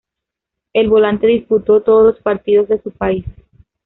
El volante disputó todos los partidos de su país.